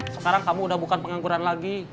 sekarang kamu udah bukan pengangguran lagi